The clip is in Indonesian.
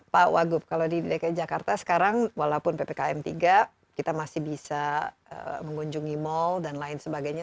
pak wagub kalau di dki jakarta sekarang walaupun ppkm tiga kita masih bisa mengunjungi mal dan lain sebagainya